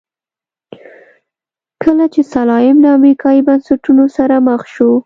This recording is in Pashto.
کله چې سلایم له امریکایي بنسټونو سره مخ شو.